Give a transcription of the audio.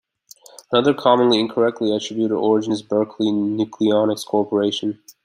Another common incorrectly attributed origin is Berkeley Nucleonics Corporation.